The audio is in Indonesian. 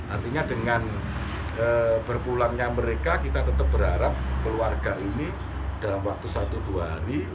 artinya dengan berpulangnya mereka kita tetap berharap keluarga ini dalam waktu satu dua hari